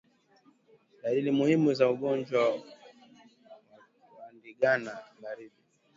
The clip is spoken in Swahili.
Dalili muhimu za ugonjwa wa ndigana baridi